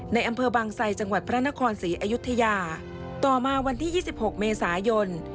ในอำเภอบางไซจังหวัดพระนครศรีอยุธยาต่อมาวันที่๒๖เมษายน